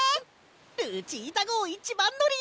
ルチータごういちばんのり！